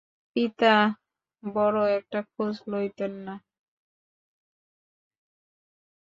পিতা বড় একটা খোঁজ লইতেন না।